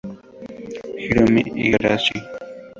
Hiromi Igarashi